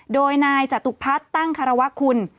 โดยนายจตุพัฒน์ตั้งคารวะคุณ